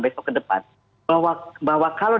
besok ke depan bahwa kalau